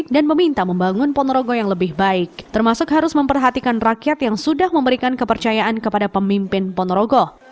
dan meminta membangun ponorogo yang lebih baik termasuk harus memperhatikan rakyat yang sudah memberikan kepercayaan kepada pemimpin ponorogo